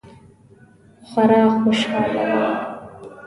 خورا خوشحاله وم.